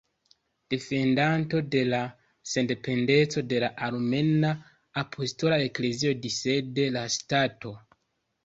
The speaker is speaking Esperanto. Defendanto de la sendependeco de la Armena Apostola Eklezio disde la ŝtato.